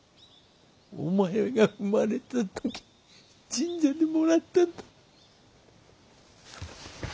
お前が生まれたときに神社でもらったんだ。